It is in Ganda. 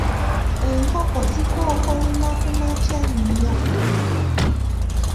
Enkoko zikookolima kumakya nnyo.